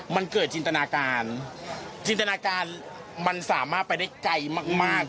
มันเกิดจินตนาการจินตนาการมันสามารถไปได้ไกลมาก